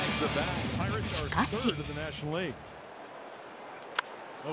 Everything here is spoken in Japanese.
しかし。